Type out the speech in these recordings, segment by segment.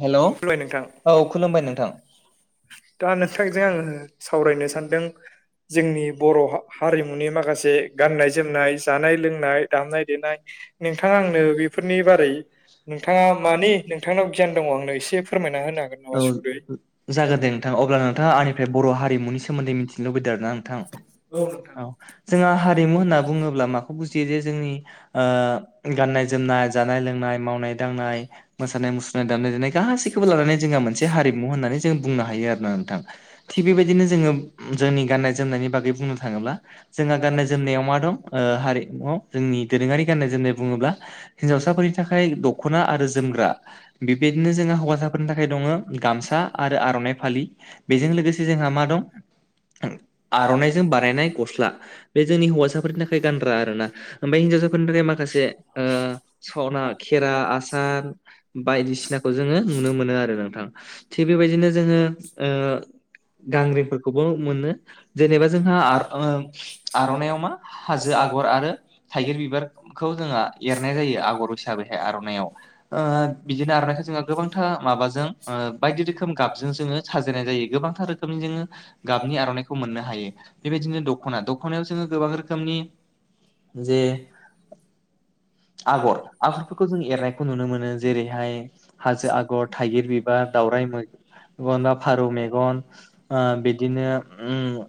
हेल' खुलुबाय नोंथां औ खुलुमबाय नोंथां। [unintelligible] दा नोंथांजों आङो सावरायनो सानदों। जोंनि बर' हारिमुनि माखासे गाननाय जोमनाय, जानाय लोंनाय, दामनाय देनाय, नोंथाङा आंनो बेथ' बियो बेफोरनि ब बारै नोंथाङा मानि नोंथांनाव गियान दङ आंनो एसे फोरमायना होनो हागोन नामा [unintelligible] औ सुंद'यै जागोन दे नोंथां अब्ला नोंथाङा आंनिफ्राय बर' हा हारिमुनि सोमोन्दै मिथिनो लुबैदों आरोना नोंथां? औ जोंहा हारिमु होनना बुङोब्ला माखौ बुजियो जे जोंनि ओ गाननाय जोमनाय, जानाय लोंनाय, मावनाय दांनाय, मोसानाय मुसु दामनाय देनाय गासैखौबो लानानै जोंहा मोनसे हारिमु होननानै जों बुंनो हायो आरो ना नोंथां थिग बेबायदिनो जों ङो जोंनि गाननाय जोमनायनि बागै बुंनो थाङोब्ला जोंहा गाननाय जोमनायाव मा दं ओ जोंनि दोरोङारि गाननाय जोमनाय बुङोब्ला हिनजावसाफोरनि थाखाय दख'ना आरो जोमग्रा बेबायदिनो जोंहा हौवासाफोरनि थाखाय दङ गामसा आरो आर'नाइ फालि बेजों लोगोसे जोंहा मा दं [inaudible] आर'नाइजों बानायनाय गस्ला बे जोंनि हौवासाफोरनि थाखाय गानग्रा आरोना ओमफ्राय हिनजाव सा फोरनि थाखाय माखासे ओ सना, खेरा, आसान बायदिसिनाखौ जोङो नुनो मोनो आरो नोंथां थिग बेबायदिनो जोङो ओ गांग्रिफोरखौबो मोनो जेनेबा जोंहा ओ आर'नायाव मा हाजो आगर आरो थाइगिर बिबारखौ जों एरनाय जायो आग'र हिसाबैहाय आर'नायाव ओ बिदिनो आरनायखौ जों गोबांथा माबाजों ओ बायदि रोखोम गाबजों जोङो साजायनाय जायो गोबांथा रोखोमनि जों गाबनि आर'नाइखौ मोननो हायो बेबायदिनो दख'ना दख'नायाव जोङो गोबां रोखोमनि जे आगर आगरफोरखौ जों एरनायखौ नुनो मोनो जेरैहाय हाजो आगर थाइगिर बिबार दाउराइ मो एखनबा फारौ मेगन ओ बिदिनो ओम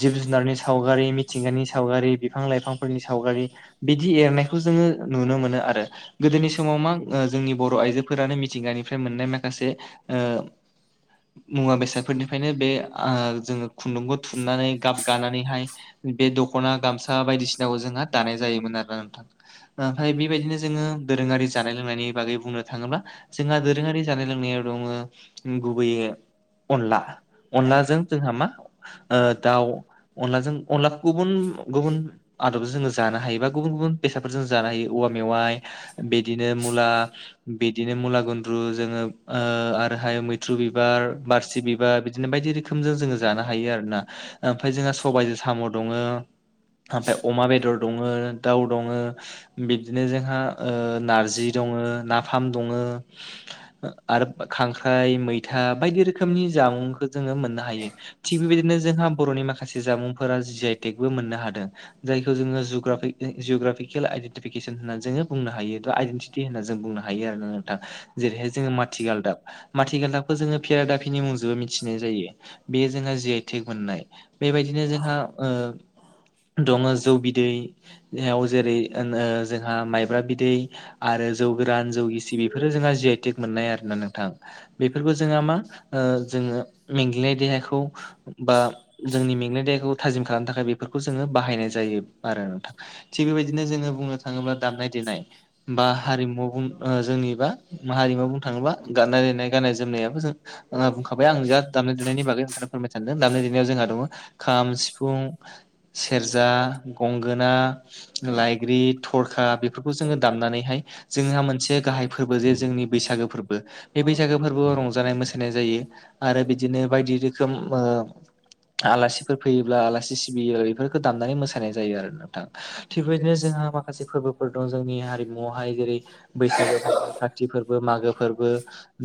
जिब जुनारनि सावगारि मिथिंगानि सावगारि बिफां लाइफांफोरनि सावगारि बिदि एरनाय जोङो नुनो मोनो आरो गोदोनि समाव मा ओ जोंनि बर' आइजोफोरानो मिथिंगानिफ्राय मोननाय माखासे ओ मुवा बेसादफोरनिफ्रायनो बे ओ जोङो खुन्दुंखौ थुननानै गाब गानानैहाय बे दख'ना गामसा बायदिसिनाखौ जोंहा दानाय जायोमोन आरोना नोंथां ओमफ्राय बेबायदिनो जोङो दोरोङारि जानाय लोंनायनि बागै बुंनो थाङोब्ला जोंहा दोरोङारि जानाय लोंनायाव दङ गुबैयै अनला अनलाजों जोंहा मा ओ दाउ अनलाजों अनलाखौ गुबुन गुबुन आदब जोङो जानो हायो बा गुबुन गुबुन बेसादफोर जों जानो हायो औवा मेवाइ बिदिनो मुला बिदिनो मुला गुन्द्रु जोङो ओ आरो हाय मैथ्रु बिबार बारसि बिबार बिदिनो बायदि रोखोमजों जोङो जानो हायो आरोना ओमफ्राय जोंहा सबायाइजों साम' दङो ओमफ्राय अमा बेदर दङ दाउ दङ बिबदिनो जोंहा ओ ना नारजि दङो नाफाम दंङो आरो खांख्राय मैथा बायदि रोखोम जामुंखौ जोङो मोननो हायो थि बेबायदिनो जोंहा बर'नि माखासे जामुंफोरा जि आ इ टेकबो मोन हादों जायखौ जोङो जिअग्राफि - जिअग्राफिकेल आइदिनटिफिकेसन होनना जोङो बुंनो हायो आइडेन् टिटि होनना जों बुंनो हायो आरो नोंथां जेरैहाय जोङो माथि गालदाब माथि गालदाबखौ जोङो खेरादाफिनि मुंजोंबो मिथिनाय जायो बेयो जोंहा जि आइटेक मोननाय बेबायदिनो जोंहा ओ दङ जौ बिदैयाव जेरै ओ जोंहा माइब्रा बिदै आरो जौ गोरान जौ गिसि बेफोरो जोंहा जि आइटेक मोननाय आरोोना नोंथां बेफोरखौ जोंहा मा? जोङो मेंग्लिनाय देहाखौ बा जोंनि मेंगनाय देहाखौ थाजिम खालामनो थाखाय बेफोर जोङो बाहायनाय जायो आरो नोंथ थिग बेबायदिनो जोङो बुंनो थाङोब्ला दामनाय देनाय बा हारिमुाव जोंनिबा हारिमु बुंनो थाङोब्ला गाननाय जोमनाय गाननाय जोमनायाबो जों। बुंखाबाय आं जा दामनाय देनायनि बागै नोंथाङा फोरमायनो सानदों दामनाय देनायाव जोंहा दङ खाम सिफुं। सेरजा गंगोना लायग्रि थरखा बेफोरखौ जोङो दामनानैहाय जोंहा मोनसे गाहाय फोरबो जे जोंनि बैसागो फोरबो बे बैसागो फोरबोआव रंजानाय। मोसानाय जायो आरो बिदिनो बायदि रोखोम आलासिफोर फैयोब्ला आलासि सिबियोब्ला बेफोरखौ दामनानै मोसानाय जायो आरो नोंथां थिग बेबायदिनो जोंहा। माखासे फोरबोफोर दं जोंनि हारिमुआवहाय जेरै बैसागो फोरबो खाथि फोरबो मागो फोरबो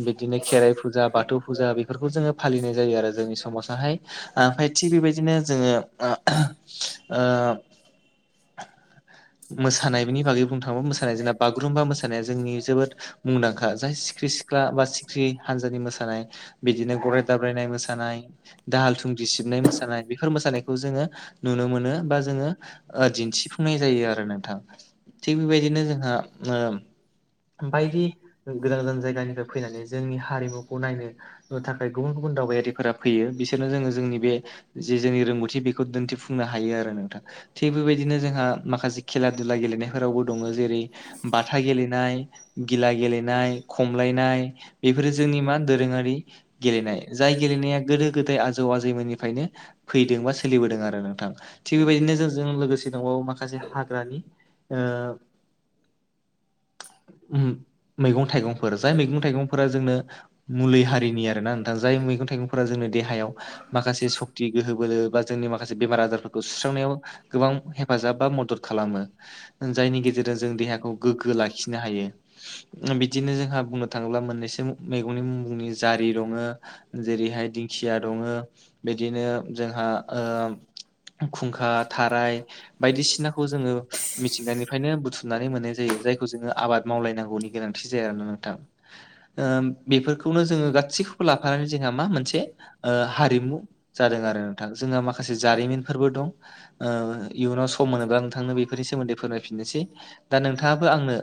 बिदिनो खेराइ फुजा। बाथौ फुजा बेफोरखौ जोङो फालिनाय जायो आरो जोंनि समाजाहाय ओमफ्राय थिग बेबायदिनो जोङो। मोसानायनि बागै बुं मानाय जों बागुरुम्बा मोसानाया जोंनि जोबोद मुंदांखा जाय सिखिरि सिख्ला बा सिखिरि हानजा। मानाय बिदिनो गराय दाब्रायनाय मोसानाय दाहाल थुंदि सिबनाय मोसानाय बेफोर मोसानायखौ। जोङो नुनो मोनो बा जोङो दिन्थिफुंनाय जायो आरो नोंथां थिग बेबायदिनो जोंहा बायदि गोजान गोदान जायगानिफ्राय फैनानै जोंनि हारिमुखौ नायनो थाखाय गुबुन गुबुन। गुबुन दावबायारिफोरा फैयो बिसोरनो जोङो जोंनि बे जे जोंनि रोंगौथि बेखौ दिन्थिफुंनो हायो आरो नोंथां थिग बेबायदिनो जोंहा माखासे खेला धुला गेलेनायफोराव दङ जेरै बाथा गेलेनाय गिला गेलेनाय खमलायनाय बेफोर जों जोंनि मा दोरोङारि गेलेनाय जाय गेलेनाया गोदो गोदाय आजौ आजैमोननिफ्रायनो फैदोंमोन सोलिबोदों आरो नोंथां थिग बेबायदिनो जों लोगोसे दंबो माखसे हा हागारानि आ मैगं थाइगंफोर जाय मैगं थाइगंफोरा जोंनो मुलि हारिनि आरो ना नोंथां जाय मैगं थाइगं थाइगंफोरा जोंनि देहायाव माखासे सक्ति गोहो बोलो बा जोंनि माखासे बेमार आजारफोरखौ सुस्रांनायाव। गोबां हेफाजाब बा मदद खालामो जायनि गेजेरजों जों देहाखौ गोग्गो लाखिनो हायो बिदिनो जोंहा बुंनो थाङोब्ला मोननैसो मैगंनि मुं बुंनि जारि दङो जेरै रैहाय दिंखिया दङ' बिदिनो जोंहा ओ खुंखा, थाराय बायदिसिना। खौ जोङो मिथिनायनिफ्रायनो बुथुमनानै मोननाय जायो जायखौ जोङो आबाद मावलायनांगौनि गोनांथि जायाना आरो नोंथां बेफोरखौनो जोङो गासैखौबो लाफा आरो जोंहा मा मोनसे हारिमु जादों आरो नोंथां जोंहा माखासे जारिमिनफोरबो दं। ओ इयुनाव सम मोनोब्ला नोंथांनो बेफोरनि सोमोन्दै फोरमायफिननोसै दा नोंथाङाबो आंनो।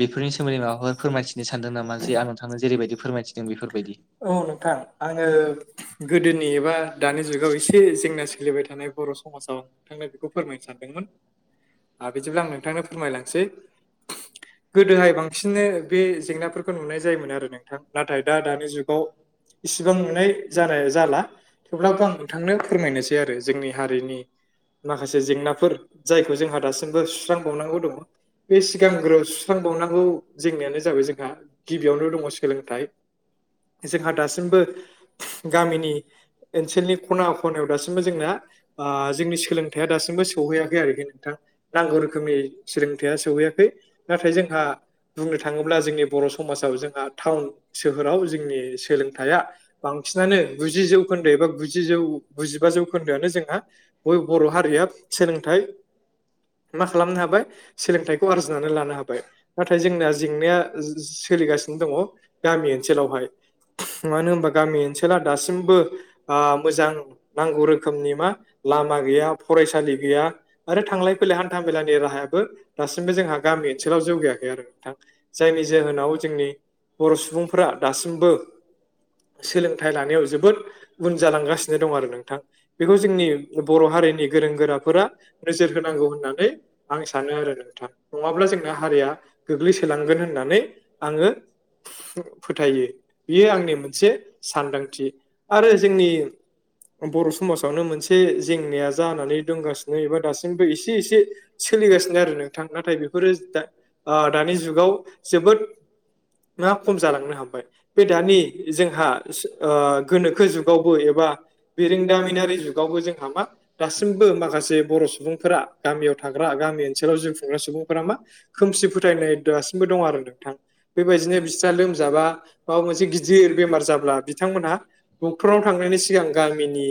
बेफोरनि सोमोन्दै माबाफोर फोरमायथिनो सानदों नामा जे आं नोंथांनो जेरैबायदि फोरमायथिदों बेफोर बायदि? औ नोंथां आङो गोदोनि एबा दानि जुगाव एसे जेंना सोलिबाय थानाय बर' समाजाव नोंथांनो बेखौ फोरमायनो सानदोंमोन ओ बिदिब्ला आं नोंथांनो फोरमायलांसै गोदोहाय बांसिननो बे जेंनाफोरखौ नुनाय जायोमोन आरो नोंथां नाथाय दा दानि जुगाव। इसिबां नुनाय जानाय जाला थेवब्लाबो आं नोंथांनो फोरमायनोसै आरो जोंनि हारिनि माखासे जेंनाफोर जायखौ जोंहा दासिमबो सुस्रांबावनांगौ दङ' बे सिगांग्रो सुस्रांबावनांगौ जेंनायानो जाबाय जोंहा गिबियावनो दङ' सोलोंथाइ। जोंहा दासिमबो गामिनि ओनसोलनि खना खनायाव दासिमबो जोंना आ सोलोंथाइआ दासिमबो सौहैयाखै आरोखि नोंथां नांगौ रोखोमनि सोलोंथाइआ सौहैयाखै। नाथाय जोंहा बुंनो थाङोब्ला जोंनि बर' समाजाव जोंहा टाउन सोहोराव जोंनि सोलोंथाइया बां सिनानो गुजि जौखोन्दो एबा गुजिजौ गुजिबा जौखोन्दोआनो जोंहा बय बर' हारिया सोलोंथाइ मा खालामनो हाबाय सोलोंथाइखौ आरजिनानै लानो हाबाय नाथाय जोंना जेंनाया सोलिगासिनो दङ' गामि ओनसोलावहाय। मानो होनबा गामि ओनसोला दासिमबो ओ मोजां नांगौ रोखोमनि मा लामा गैया फरायसालि गैया आरो थांलाय फैलाय हान्था मेलानि राहायाबो दासिमबो जोंहा गामि ओनसोलाव जौगायाखै आरो नोंथां जायनि जोहोनाव जोंनि बर' सुबुंफोरा दासिमबो सोलोंथाइ लानायाव जोबोद उन जालांगासिनो दं आरो नोंथां बेखौ जोंनि बर' हारिनि गोरों गोराफोरा नोजोर होनांगौ होननानै आं सानो आरो नोंथां नङाब्ला जों हारिया गोग्लैसोलांगोन होननानै आङो फोथायो। बियो आंनि मोनसे सानदांथि आरो जोंनि बर' समाजावनो मोनसे एसे जेंनाया जानानै दंगासिनो एबा दासिमबो एसे एसे सोलिगासिनो आरो नोंथां नाथाय बेफोरो आ दानि जुगाव जोबोद ना खम जालांनो हाबबाय बे दानि जोंहा सो आ गोनोखो जुगावबो एबा बिरोंदामिनारि बिरिंदामिनारि जुगावबो जोंहा मा दासिमबो माखासे बर' सुबुंफोरा गामियाव थाग्रा गामि ओनसोलाव जिउ खुंग्रा सुबुंफोरा मा खोमसि फोथायनाय दासिमबो दं आरो नोंथां बेबायदिनो बिस्रा लोमजाबा माबा मोनसे गिदिर दिर बेमार जाब्ला बिथांमोनहा डक्टराव थांनायनि सिगां गामिनि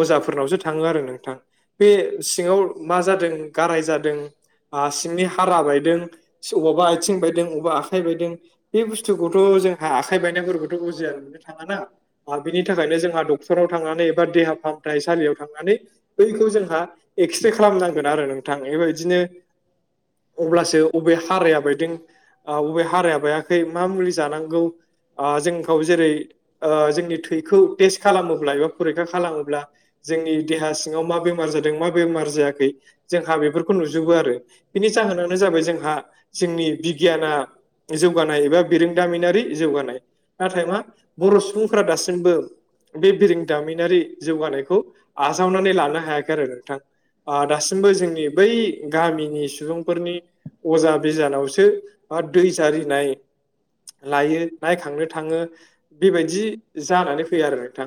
अजाफोरनावसो थाङो आरो नोंथां बे सिङाव मा जादों गाराय जादों हा सिंनि हारा बाय दों अबावबा आथिं बायदों अबावबा आखाइ बायदों बे बुस्थुखौथ जों आखाइ बायनाय [unintelligible] थाङा ना बिनि थाखायनो जोंहा डक्टराव थांनानै एबा देहा फाहाम थाइसालियाव थांनानै बैखौ जोंहा एक्सरे खालामनांगोन आरो नोंथां बेबायदिनो [inaudible] अब्लासो अबे हाराया बायदों बबे हाराया बायाखै मा मुलि जानांगौ ओ जोंखौ जेरै जोंनि थैखौ टेस्ट खालामोब्ला एबा फरिखा खालामोब्ला जोंनि देहा सिङाव मा बेमार जादों मा बेमार जायाखै जोंहा बेफोरखौ नुजोबो आरो बेनि जाहोना नो जाबाय जोंहा जोंनि बिगियाना जौगानाय एबा बिरोंदामिनारि जौगानाय नाथाय मा बर' सुबुंफोरा दासिमबो। बे बिरोंदामिनारि जौगानायखौ आजावनानै लानो हायाखै आरो नोंथां। ओ दासिमबो जोंनि बै गामिनि सुबुंफोरनि। अजा बिजानावसो आ दै जारिनाय। लायो नायखांनो थाङो बेबायदि जानानै फैयो आरो नोंथां।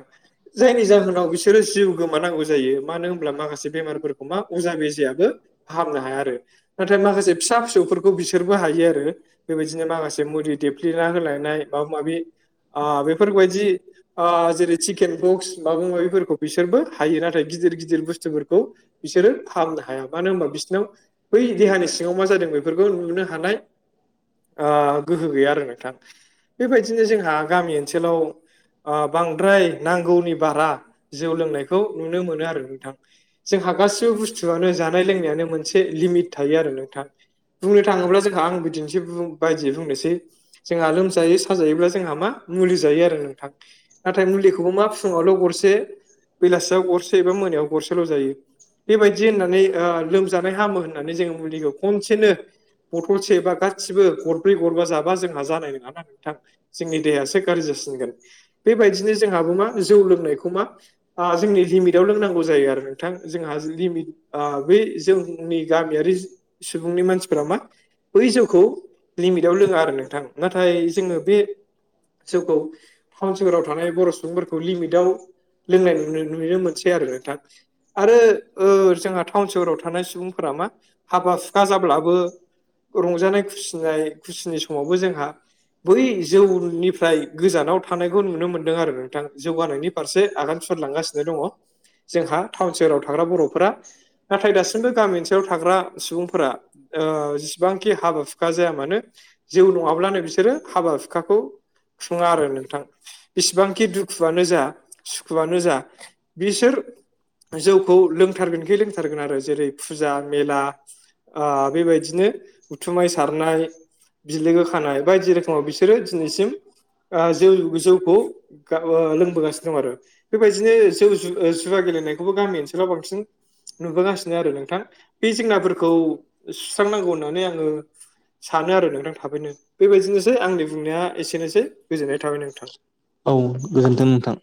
जायनि जाहोनाव बिसोरो जिउ गोमानांगौ जायो मानो होमब्ला माखासे बेमारफोरखौ मा अजा बेजायाबो। फाहामनो हाया आरो नाथाय माखासे। फिसा फिसौफोरखौ बिसोरबो हायो आरो बेबायदिनो माखासे मुरिदेब। खुलिना होलायनाय माबा माबि। ओ बेफोरबायदि ओ जेरै चिकेन बक्स माबा माबिफोरखौ बिसोरबो हायो नाथाय बिस- गिदिर गिदिर बुस्थुफोरखौ बिसोरो फाहामनो हाया मानो होनबा बिसोरनाव बै देहानि सिं। खौ मा जादों बेफोरखौ नुनो हानाय ओ गोहो गैया आरो नों। बेबायदिनो जोंहा गामि ओनसोलाव। ओ बांद्राय नांगौनि बारा जौ लोंनायखौ नुनो मोनो आरो नोंथां जों। आ गासिबो बुस्थुआनो जानाय लोंनायानो मोनसे लिमिट थायो आरो नो। थां बुंनो थाङोब्ला जोंहा आं बिदिनोसै बायदियै बुंनोसै। जोंहा लोमजायो साजायोब्ला जोंहा मा मुलि जायो आरो नोंथां नाथाय मुलिखौबो मा फुङावल' गरस--। गरसे बेलासियाव गरसे एबा मोनायाव गरसेल' जायो। बेबायदि होननानै ओ लोमजानाय हामो होननानै जोङो मुलिहोब। खनसेनो बथलसे बा गासिबो गरब्रै गरबा जाबा जों। जानाय नोंङाना नोंथां जोंनि देहायासो गारजि जासिनगोन बेबायदिनो जोंहाबो मा जौ लोंनाय। खौ मा जोंनि लिमिदाव लोंनांगौ जायो आरो नोंथां जोंहा जुदि बि ओ बे जों। जोंनि गामियारिज। सुबुंनि मानसिफोरा मा बै जौखौ लिमिटआव लोङा आरो नोंथां। नाथाय जोङो बे जौउखौ [unintelligible] सोहोराव थानाय बर' सुबुंफोरखौ लिमिदाव लोंनाय नु नुनो मोनसै आरो नोंथां आरो ओ जोंहा टाउन सोहोराव थानाय सुबुंफोरा मा हाबा सुखा जाब्लाबो रंजानाय खुसिनाय खुसिनि समाव बेबो जोंहा बै जौनिफ्राय गोजानाव थानायखौ नुनो मोनदों आरो नोंथां जौगानायनि फारसे आगान सुर लांगासिनो दङ। जोंहा टाउन सोहोराव थाग्रा बर'फोरा नाथाय दासिमबो गामि ओनसोलाव थाग्रा सुबुं फोरा ओ जेसेबांखि हाबा हुखा जाया मानो। जिउ नङाब्लानो बिसोरो हाबा हुखाखौ खुङा आरो नोंथां बिसिबांखि दुखुआनो जा सुखुआनो जा बिसोर जौखौ लोंथारगोनखै लोंथारगोन आरो जेरै फुजा मेला ओ बेबायदिनो उथुमाय सारनाय बिलोगो खानाय बायदि रोखोमाव बिसोरो दिनैसिम ओ जौ जौखौ ओ लोंबोगासिनो दं आरो बेबायदिनो जौ जु जुवा गे गेलेनायखौबो गामि ओनसोलाव बांसिन नुबोगासिनो आरो नोंथां बे जेंनाफोरखौ सुस्रांनांगौ होननानै आङो सानो आरो नोंथां। थाबैनो बेबायदिनोसै आंनि बुंनाया एसेनोसै गोजोननाय थाबाय नोंथां। औ गोजोन्थों नोंथां।